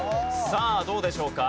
さあどうでしょうか？